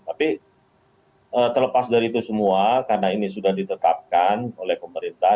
tapi terlepas dari itu semua karena ini sudah ditetapkan oleh pemerintah